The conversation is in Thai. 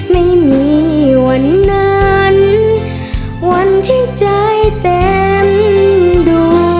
ไม่มีวันนั้นวันที่ใจเต็มดู